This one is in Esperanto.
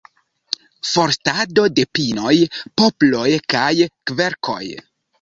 Forstado de pinoj, poploj kaj kverkoj.